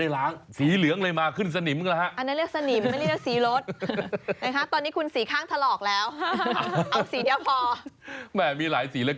เออสองสีนึกว่าขับแท็กซี่